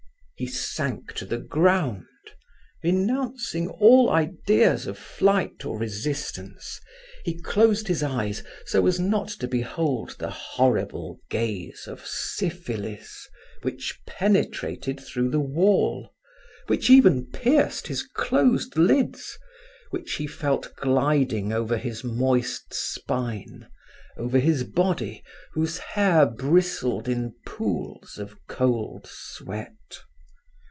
He sank to the ground, renouncing all ideas of flight or of resistance. He closed his eyes so as not to behold the horrible gaze of Syphilis which penetrated through the wall, which even pierced his closed lids, which he felt gliding over his moist spine, over his body whose hair bristled in pools of cold sweat.